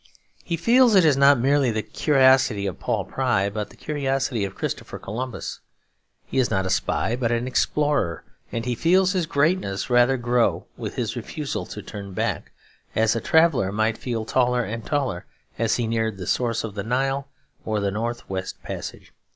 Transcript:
He feels it is not merely the curiosity of Paul Pry, but the curiosity of Christopher Columbus. He is not a spy but an explorer; and he feels his greatness rather grow with his refusal to turn back, as a traveller might feel taller and taller as he neared the source of the Nile or the North West Passage.